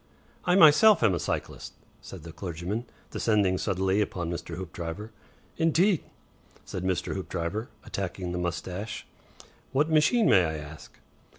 "I myself am a cyclist," said the clergyman, descending suddenly upon Mr. Hoopdriver. "Indeed!" said Mr. Hoopdriver, attacking the moustache. "What machine, may I ask?"